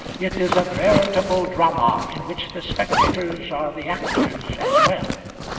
It is a veritable drama, in which the spectators are the actors as well.